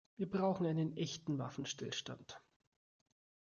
Wir brauchen einen echten Waffenstillstand.